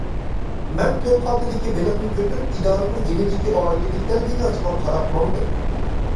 مەن تۆت خالتىدىكى بېلىقنى كۆتۈرۈپ ئىدارىنىڭ يېنىدىكى ئائىلىلىكلەر بىناسىغا قاراپ ماڭدىم.